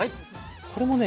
これもね